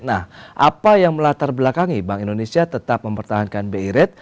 nah apa yang melatar belakangi bank indonesia tetap mempertahankan bi rate